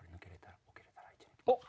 おっ。